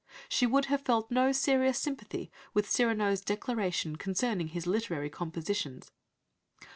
She would have felt no serious sympathy with Cyrano's declaration concerning his literary compositions